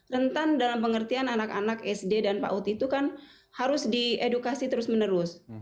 rentan dalam pengertian anak anak sd dan paut itu kan harus diedukasi terus menerus